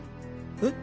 えっ？